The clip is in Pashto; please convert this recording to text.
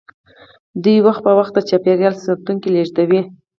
دوی وخت په وخت د چاپیریال ساتونکي لیږدوي